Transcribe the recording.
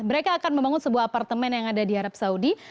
mereka akan membangun sebuah apartemen yang ada di arab saudi